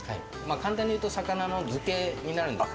簡単に言うと魚の漬けになるんですけど。